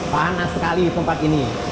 panas sekali tempat ini